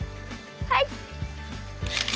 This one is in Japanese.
はい！